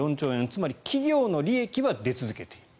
つまり企業の利益は出続けている。